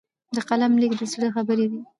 د قلم لیک د زړه خبرې دي.